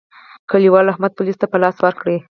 کلیوالو احمد پوليسو ته په لاس ورکړ.